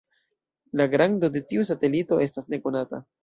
La grando de tiu satelito estas nekonata.